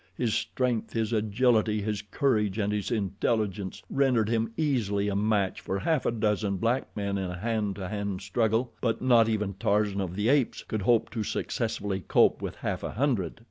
His strength, his agility, his courage, and his intelligence rendered him easily a match for half a dozen black men in a hand to hand struggle, but not even Tarzan of the Apes could hope to successfully cope with half a hundred.